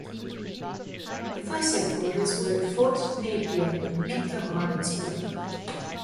The first headquarters were at Fort Napier in Pietermaritzburg.